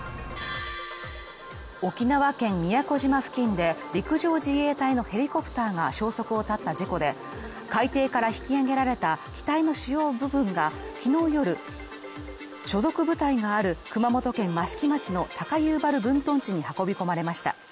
沖縄県宮古島付近で陸上自衛隊のヘリコプターが消息を絶った事故で、海底から引き揚げられた機体の主要部分が昨日夜所属部隊がある熊本県益城町の高遊原分屯地に運び込まれました。